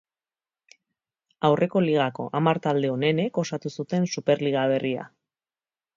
Aurreko ligako hamar talde onenek osatu zuten Superliga berria.